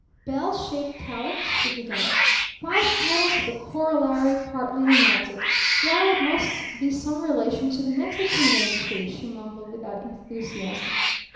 "Bell shaped calyx?" she began. "Five petals of the corollary partly united? Why, it must be some relation to the Mexican rain tree," she mumbled without enthusiasm.